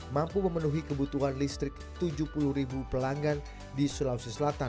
mampu memenuhi kebutuhan listrik tujuh puluh ribu pelanggan di sulawesi selatan